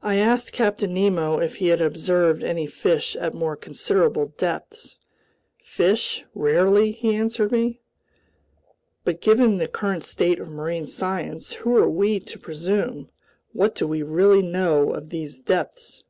I asked Captain Nemo if he had observed any fish at more considerable depths. "Fish? Rarely!" he answered me. "But given the current state of marine science, who are we to presume, what do we really know of these depths?"